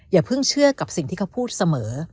อย่าเพิ่งเชื่อกับสิ่งที่เขาพูดเสมอ